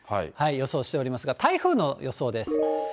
予想しておりますが、台風の予想です。